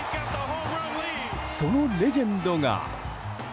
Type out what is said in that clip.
そのレジェンドが。